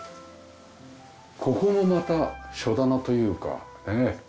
ここもまた書棚というかねえ。